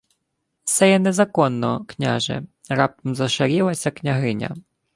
— Се є незаконно, княже, — раптом зашарілася княгиня.